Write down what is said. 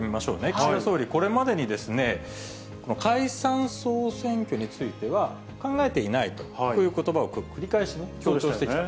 岸田総理、これまでに解散・総選挙については考えていないと、こういうことばを繰り返し強調してきた。